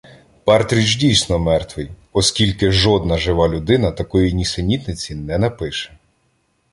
Партрідж дійсно мертвий, оскільки жодна жива людина такої нісенітниці не напише.